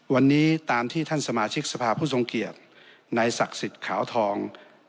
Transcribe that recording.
วันนี้ตามที่ท่านสมาชิกสภาพผู้ทรงเกียรติในศักดิ์สิทธิ์ขาวทอง